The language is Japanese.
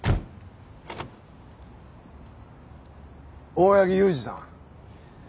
大八木勇二さん。